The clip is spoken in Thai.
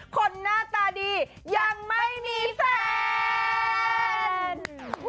คนหน้าตาดียังไม่มีแฟน